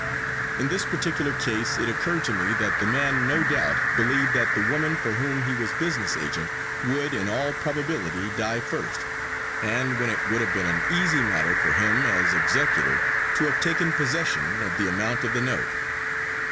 In this particular case it occurred to me that the man no doubt believed that the woman for whom he was business agent would, in all probability, die first, and when it would have been an easy matter for him, as executor, to have taken possession of the amount of the note.